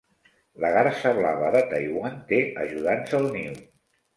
La garsa blava de Taiwan té ajudants al niu.